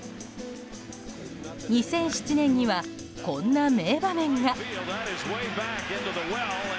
２００７年にはこんな名場面が。